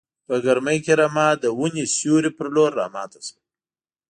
په ګرمۍ کې رمه د وینې سیوري په لور راماته شوه.